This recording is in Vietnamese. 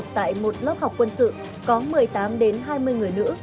tại một lớp học quân sự có một mươi tám đến hai mươi người nữ